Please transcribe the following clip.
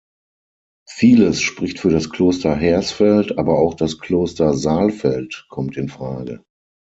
Vieles spricht für das Kloster Hersfeld, aber auch das Kloster Saalfeld kommt in Frage.